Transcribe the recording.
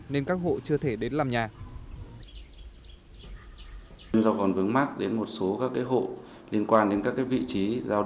nên các hộ chưa thể đến làm nhà